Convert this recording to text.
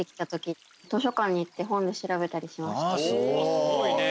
すごいね。